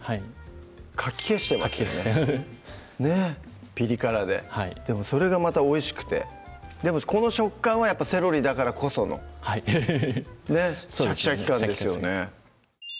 かき消してますねかき消してフフッねっピリ辛ででもそれがまたおいしくてでもこの食感はやっぱセロリだからこそのはいねっシャキシャキ感ですよね